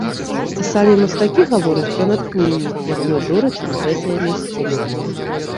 А самі мастакі гавораць пра натхненне, якое дораць ім гэтыя мясціны.